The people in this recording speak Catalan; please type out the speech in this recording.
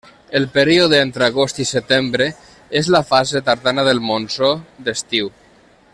El període entre agost–setembre és la fase tardana del monsó d'estiu.